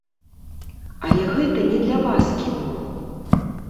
Але гэта не для вас кіно.